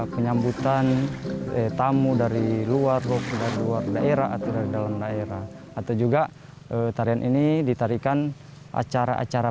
penyambutan tamu dari luar daerah atau dari dalam daerah atau juga tarian ini ditarikan acara acara